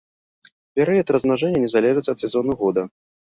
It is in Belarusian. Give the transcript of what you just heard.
Перыяд размнажэння не залежыць ад сезону года.